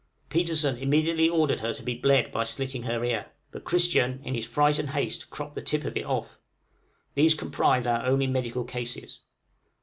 Petersen immediately ordered her to be bled by slitting her ear; but Christian, in his fright and haste, cropped the tip of it off These comprise our only medical cases.